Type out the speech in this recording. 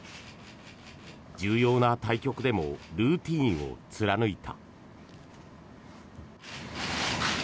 重要な対局でもルーチンを貫いた。